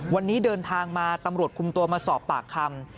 วันนี้เดินทางมาตำรวจคุมตัวมาสอบปากคำ